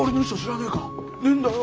ねえんだよ。